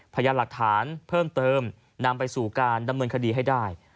พยานหลักฐานเพิ่มเติมนำไปสู่การดำเนินคดีให้ได้